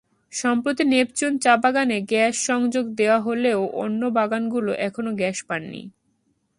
সম্প্রতি নেপচুন চা-বাগানে গ্যাস-সংযোগ দেওয়া হলেও অন্য বাগানগুলো এখনো গ্যাস পায়নি।